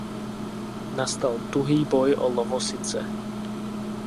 Nastal tuhý boj o Lovosice.